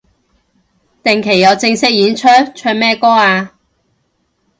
定期有正式演出？唱咩歌啊